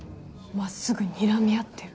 真っすぐにらみ合ってる？